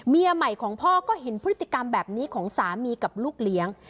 เมียใหม่ของพ่อก็เห็นพฤติกรรมแบบนี้ของสามีกับลูกเลี้ยง